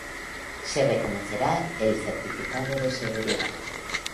Se reconocerá el certificado de seguridad